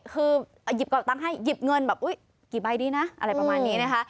คือหยิบเก่าตังค์ให้หยิบเงินแบบอุ๊ยกี่ใบดีนะอะไรประมาณนี้นะคะ